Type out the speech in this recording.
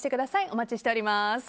お待ちしております。